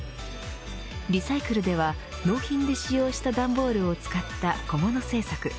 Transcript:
ＲＥＣＹＣＬＥでは納品で使用した段ボールを使った小物政策。